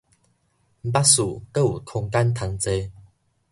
バス閣有空間通坐